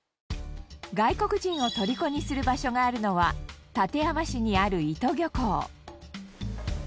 外国人をとりこにする場所があるのは館山市にある伊戸漁港。